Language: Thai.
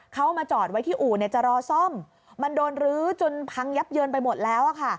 เขามาจอดไว้ที่อู่จะรอซ่อมมันโดนรื้อจนพังยับเยินไปหมดแล้วค่ะ